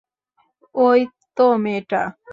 ওই তো মেয়েটা।